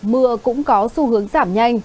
mưa cũng có xu hướng giảm nhanh